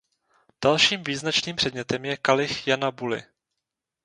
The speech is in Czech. Dalším význačným předmětem je kalich Jana Buly.